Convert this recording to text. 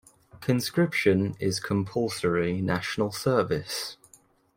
Conscription is compulsory national service.